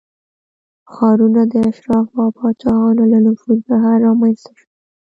ښارونه د اشرافو او پاچاهانو له نفوذ بهر رامنځته شول